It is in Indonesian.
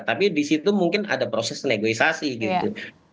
tapi di situ mungkin ada proses negosiasi gitu